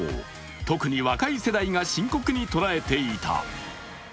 特に若い世代が深刻に捉えていた。